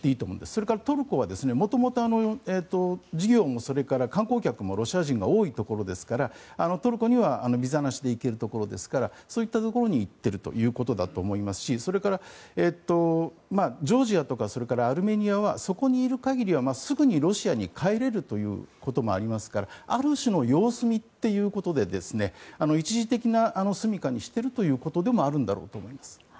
それからトルコはもともと事業も観光客もロシア人が多いところですからトルコはビザなしで行けるところですからそういったところに行っているということですしそれから、ジョージアとかアルメニアはそこにいる限りはすぐにロシアに帰れるということもありますからある種の様子見ということで一時的なすみかにしているということでもあるんだろうと思います。